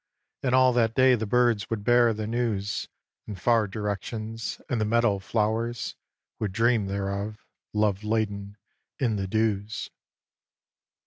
And all that day the birds would bear the news In far directions, and the meadow flowers Would dream thereof, love laden, in the dews.